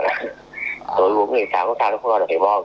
tối uống ngày sáng không sao nó không đo được